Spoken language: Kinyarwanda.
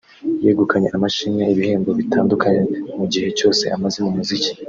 yegukanye amashimwe(ibihembo)bitandukanye mu gihe cyose amaze mu muziki